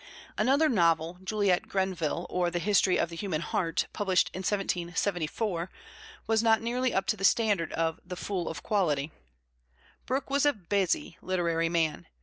Another novel, Juliet Grenville, or the History of the Human Heart, published in 1774, was not nearly up to the standard of The Fool of Quality. Brooke was a busy literary man.